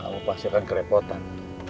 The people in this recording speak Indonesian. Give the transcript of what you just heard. kamu pasti akan kerepotan